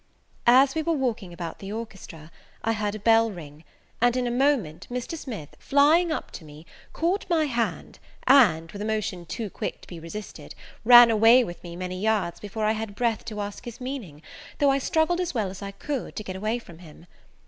As we were walking about the orchestra, I heard a bell ring; and, in a moment, Mr. Smith, flying up to me, caught my hand, and, with a motion too quick to be resisted, ran away with me many yards before I had breath to ask his meaning, though I struggled as well as I could, to get from him.